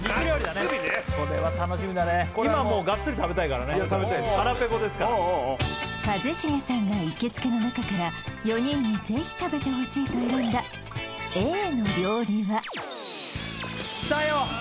これは楽しみだね腹ペコですから一茂さんが行きつけの中から４人にぜひ食べてほしいと選んだＡの料理はきたよ！